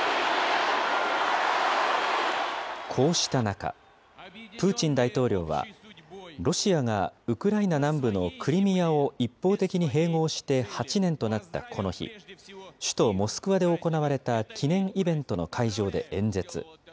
こうした中、プーチン大統領はロシアがウクライナ南部のクリミアを一方的に併合して８年となったこの日、首都モスクワで行われた記念イベントの会場で演説。